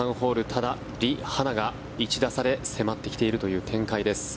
ただ、リ・ハナが１打差で迫ってきているという展開です。